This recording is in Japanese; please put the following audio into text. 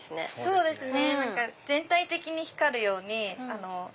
そうですよね！